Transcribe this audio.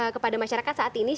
kepada masyarakat saat ini